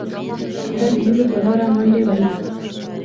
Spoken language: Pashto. زړه د هيلو په لاره منډې وهي.